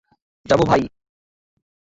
যাবো, ভাই?